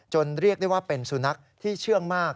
เรียกได้ว่าเป็นสุนัขที่เชื่องมาก